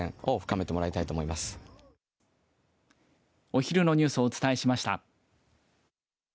お昼のニュースをお伝えしました。